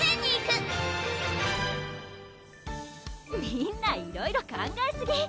みんないろいろ考えすぎ！